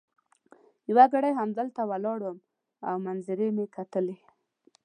یو ګړی همدلته ولاړ وم او منظرې مي کتلې.